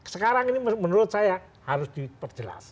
sekarang ini menurut saya harus diperjelas